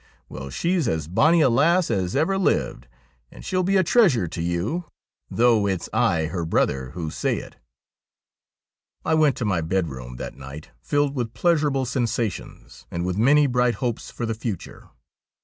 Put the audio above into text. Well, she's as bonnie a lass as ever lived, and she'll be a treasure to you, though it's I, her brother, who say it.' I went to my bedroom that night filled with pleasurable sensations and with many bright hopes for the future.